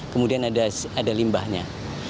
kemudian ada limbahnya